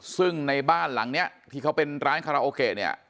ซึ่งในบ้านหลังเนี้ยที่เขาเป็นร้านคาราโอเกะเนี่ย